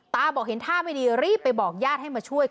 บอกเห็นท่าไม่ดีรีบไปบอกญาติให้มาช่วย